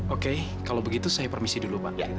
oke kalau begitu saya permisi dulu pak